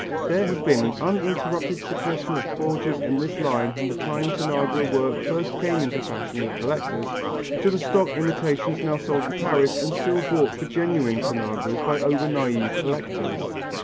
There has been an uninterrupted succession of forgers in this line from the time Tanagra work first came into fashion with collectors, to the stock imitations now sold in Paris and still bought for genuine Tanagras by over naïve collectors.